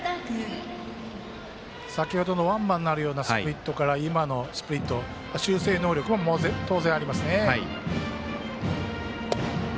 先ほどのワンバンになるようなスプリットから今のスプリット。修正能力も当然ありますね。